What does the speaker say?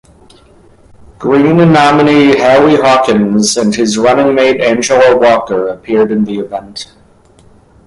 Green nominee Howie Hawkins and his running mate Angela Walker appeared in the event.